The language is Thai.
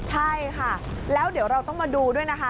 ใช่ค่ะแล้วเดี๋ยวเราต้องมาดูด้วยนะคะ